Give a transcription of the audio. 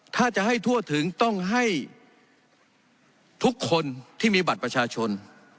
ถ้าจะให้ทั่วถึงต้องให้ทุกคนที่มีบัตรประชาชน